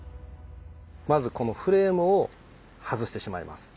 まずこのフレームを外してしまいます。